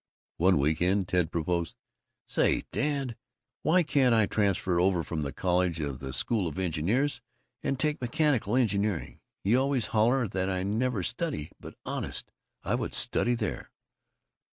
One week end Ted proposed, "Say, Dad, why can't I transfer over from the College to the School of Engineering and take mechanical engineering? You always holler that I never study, but honest, I would study there."